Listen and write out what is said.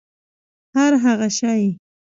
هرهغه شی